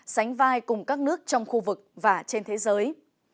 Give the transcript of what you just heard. sánh vai cùng các nước trong khu vực và trên thế giới